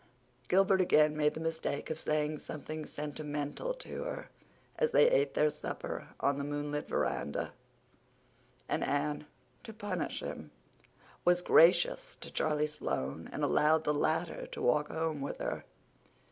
Gilbert again made the mistake of saying something sentimental to her as they ate their supper on the moonlit verandah; and Anne, to punish him, was gracious to Charlie Sloane and allowed the latter to walk home with her.